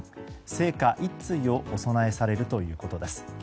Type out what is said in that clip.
生花１対をお供えされるということです。